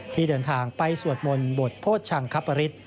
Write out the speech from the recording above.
ที่เดินทางไปสวดมนต์บทโภชังคับปริศ